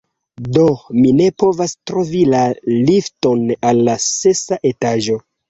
Do, mi ne povas trovi la lifton al la sesa etaĝo!